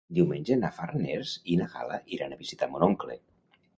Diumenge na Farners i na Gal·la iran a visitar mon oncle.